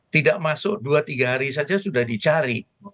tidak masuk dua tiga hari saja sudah dicari